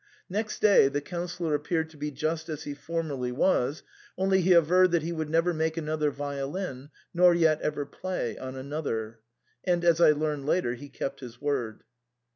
Next day the Councillor appeared to be just as he formerly was, only he averred that he would never make another violin, nor yet ever play on another. And, as I learned later, he kept his word.